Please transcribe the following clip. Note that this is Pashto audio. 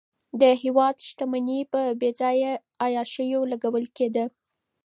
د هېواد شتمني په بېځایه عیاشیو لګول کېده.